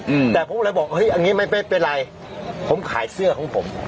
อืมแต่ผมก็เลยบอกเฮ้ยอันนี้ไม่ไม่เป็นไรผมขายเสื้อของผม